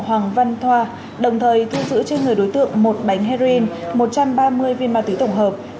hoàng văn thoa đồng thời thu giữ trên người đối tượng một bánh heroin một trăm ba mươi viên ma túy tổng hợp